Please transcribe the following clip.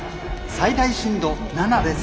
最大震度７です。